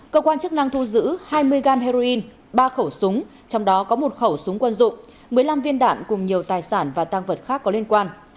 cơ quan chức năng thu giữ hai mươi gan heroin ba khẩu súng trong đó có một khẩu súng quân dụng một mươi năm viên đạn cùng nhiều tài sản và tăng vật khác có liên quan